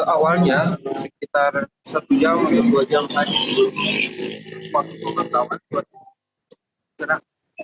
awalnya sekitar satu jam atau dua jam tadi sebelum waktu pemantauan